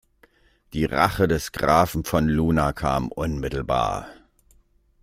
Die Rache des Grafen von Luna kam unmittelbar.